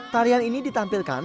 tarian ini ditampilkan